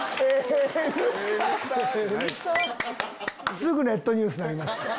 すぐネットニュースになります。